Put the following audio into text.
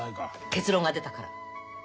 結論が出たから。